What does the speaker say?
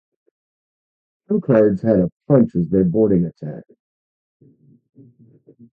Crew cards had a Punch as their boarding attack.